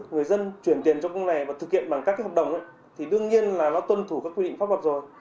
người dân chuyển tiền cho công này và thực hiện bằng các cái hợp đồng thì đương nhiên là nó tuân thủ các quy định pháp luật rồi